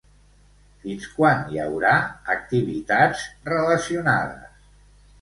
Fins quan hi haurà activitats relacionades?